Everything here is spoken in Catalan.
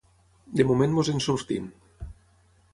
De moment ens en sortim.